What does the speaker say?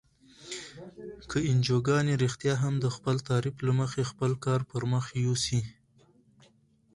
که انجوګانې رښتیا هم د خپل تعریف له مخې خپل کارونه پرمخ یوسي.